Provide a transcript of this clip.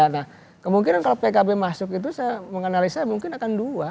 nah kemungkinan kalau pkb masuk itu saya menganalisa mungkin akan dua